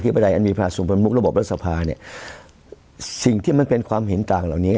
ประใดอันมีภาษีประมุกระบบรัฐสภาเนี่ยสิ่งที่มันเป็นความเห็นต่างเหล่านี้